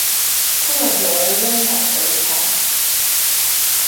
聽日有音樂比賽